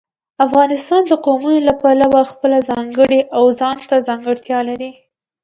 افغانستان د قومونه له پلوه خپله ځانګړې او ځانته ځانګړتیا لري.